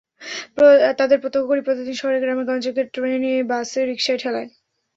তাদের প্রত্যক্ষ করি প্রতিদিন শহরে, গ্রামে, গঞ্জে, ট্রেনে, বাসে, রিকশায়, ঠেলায়।